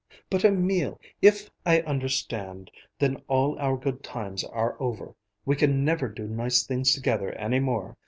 "But, Emil, if I understand, then all our good times are over, we can never do nice things together any more.